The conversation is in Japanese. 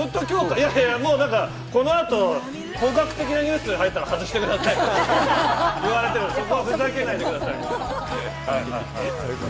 いやいや、この後、本格的なニュース入ったら、外してくださいって言われてるから、そこはふざけないでくださいって。